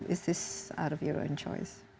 ini dari pilihanmu sendiri